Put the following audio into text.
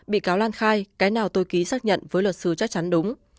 bị cáo lan khai cái nào tôi ký xác nhận với luật sư chắc chắn đúng